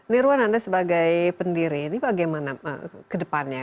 nirwan anda sebagai pendiri ini bagaimana ke depannya